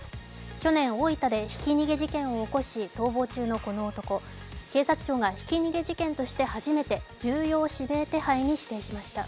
去年、大分でひき逃げ事件を起こし逃亡中のこの男、警察庁がひき逃げ事件としては初めて重要指名手配に指定しました。